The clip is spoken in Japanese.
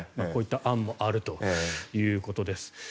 こういった案もあるということです。